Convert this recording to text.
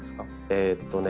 えっとね